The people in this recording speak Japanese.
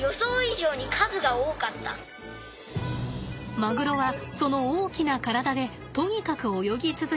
マグロはその大きな体でとにかく泳ぎ続けます。